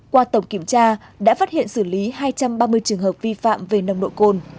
qua tổng kiểm tra đã phát hiện xử lý hai trăm ba mươi trường hợp vi phạm về nồng độ cồn